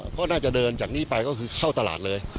ก็น่าจะเดินจากนี้ไปก็คือเข้าตลาดเลย